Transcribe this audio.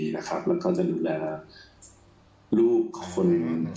และจะดูแลลูกคน